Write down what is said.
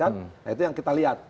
nah itu yang kita lihat